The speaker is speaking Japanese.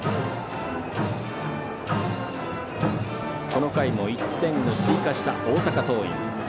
この回も１点を追加した大阪桐蔭。